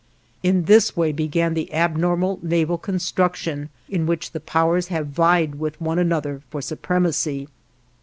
In this way began the abnormal naval construction in which the Powers have vied with one another for supremacy.